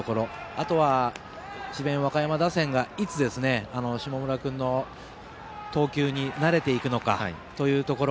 あとは智弁和歌山打線がいつ下村君の投球に慣れていくのかというところ。